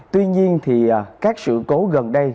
tuy nhiên thì các sự cố gần đây